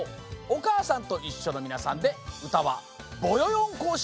「おかあさんといっしょ」のみなさんでうたは「ぼよよん行進曲」。